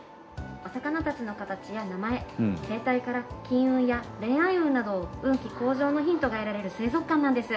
お魚たちの形や名前生態から金運や恋愛運などを運気向上のヒントが得られる水族館なんです。